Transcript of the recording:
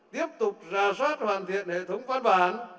tiếp tục rà soát hoàn thiện hệ thống phát bản